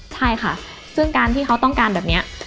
ใช่ค่ะซึ่งการที่เขาต้องการแบบนี้